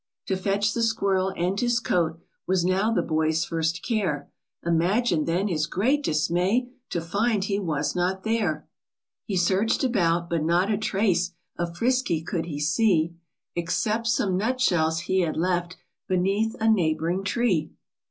To fetch the squirrel and his coat Was now the boy's first care ; imagine then his great dismay To find he was not there ! He search'd about, but not a trace Of Frisky could he see ; Except some nut shells he had left Beneath a neighb'ring tree.